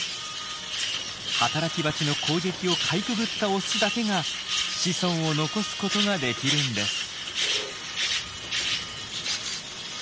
働きバチの攻撃をかいくぐったオスだけが子孫を残すことができるんです。